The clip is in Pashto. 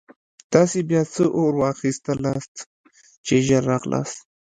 تاسې بیا څه اورا واخیستلاست چې ژر راغلاست.